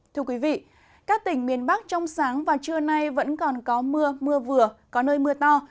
thưa quý vị các tỉnh miền bắc trong sáng và trưa nay vẫn còn có mưa mưa vừa có nơi mưa to